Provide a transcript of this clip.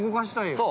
◆そう。